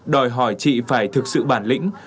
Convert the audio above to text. đòi hỏi chị phải thực sự bản lĩnh